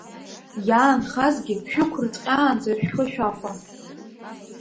Иаанхазгьы шәықәрыцҟьаанӡа, шәхы шәахәа.